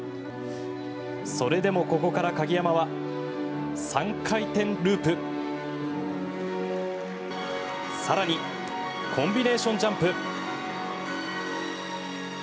それでも、ここから鍵山は３回転ループ更にコンビネーションジャンプ。